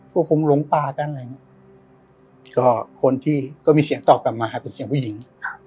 ก็คงหลงป่ากันอะไรอย่างนี้ก็คนที่ก็มีเสียงตอบกลับมาเป็นเสียงผู้หญิง